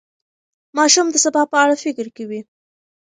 ماشوم د سبا په اړه فکر کوي.